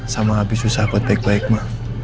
sama abis susah kok baik baik ma